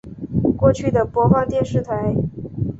过去的播放电视台